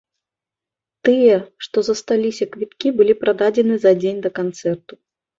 Тыя, што засталіся квіткі былі прададзеныя за дзень да канцэрту.